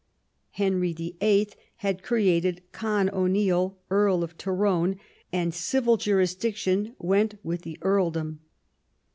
Henry VIII. had created Con O'Neill Earl of Tyrone, and civil jurisdiction went with the earldom.